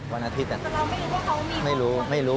เราไม่รู้ว่าเขามีไม่รู้ไม่รู้